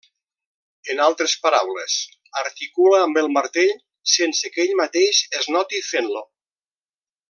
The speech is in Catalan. En altres paraules, articula amb el martell sense que ell mateix es noti fent-lo.